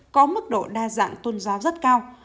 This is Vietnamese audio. có mức độ đa dạng tôn giáo rất cao